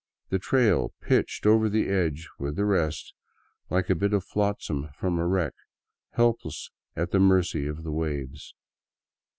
The trail pitched over the edge with the rest, like a bit of flotsam from a wreck, help lessly at the mercy of the waves.